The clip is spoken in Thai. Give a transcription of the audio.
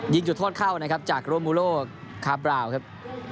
จุดโทษเข้านะครับจากโรมูโลคาบราวครับ